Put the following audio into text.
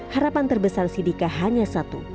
harapan terbesar siddika hanya satu